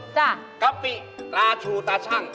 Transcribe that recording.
กะปิตาชูตาชั่ง